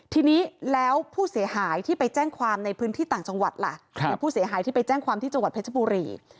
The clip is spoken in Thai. ทีนี้แล้วผู้เสียหายที่ไปแจ้งความในพื้นที่ต่างจังหวัดล่ะอย่างผู้เสียหายที่ไปแจ้งความที่จังหวัดเพชรบุรี